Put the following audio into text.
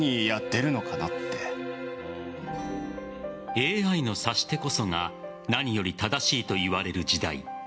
ＡＩの指し手こそが何より正しいといわれる時代。